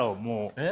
えっ？